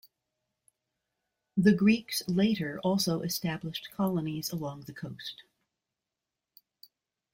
The Greeks later also established colonies along the coast.